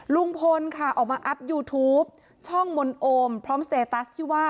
ลุงพลค่ะออกมาอัพยูทูปช่องมนต์โอมพร้อมสเตตัสที่ว่า